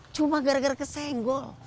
cuma gara gara kesenggol